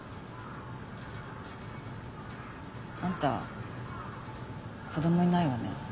あんた子供いないわね。